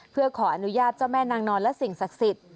เพื่อขออนุญาตเจ้าแม่นางนอนและสิ่งศักดิ์สิทธิ์